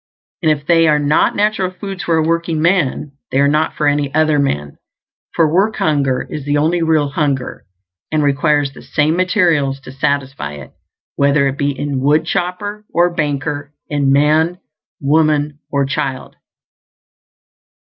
And if they are not natural foods for a workingman, they are not for any other man; for work hunger is the only real hunger, and requires the same materials to satisfy it, whether it be in woodchopper or banker, in man, woman or child.